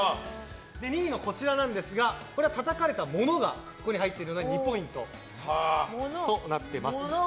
２位のこちらはたたかれたものがここに入っているので２ポイントとなってます。